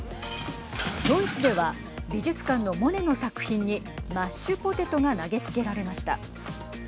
ドイツでは美術館のモネの作品にマッシュポテトが投げつけられました。